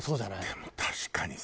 でも確かにさ。